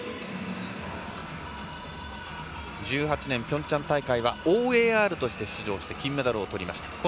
１８年ピョンチャン大会はＯＡＲとして出場して金メダルをとりました。